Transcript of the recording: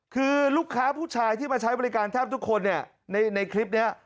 คือลูกค้าผู้ชายที่มาใช้บริการแทบทุกคนเนี่ยในคลิปนี้